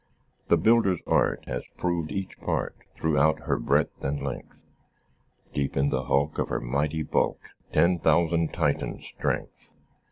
"The builder's art Has proved each part Throughout her breadth and length; Deep in the hulk, Of her mighty bulk, Ten thousand Titans' strength."